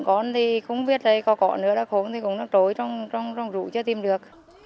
bốn con thì không biết có cọ nữa là khốn thì cũng trốn trong rủ chưa tìm được